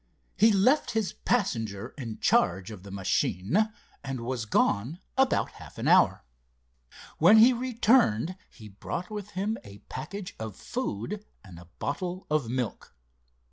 He left his passenger in charge of the machine, and was gone about half an hour. When he returned he brought with him a package of food and a bottle of milk.